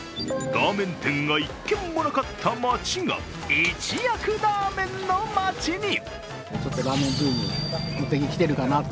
ラーメン店が１軒もなかった町が一躍ラーメンの町に。